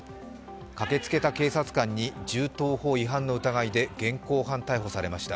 駆けつけた警察官に銃刀法違反の疑いで現行犯逮捕されました。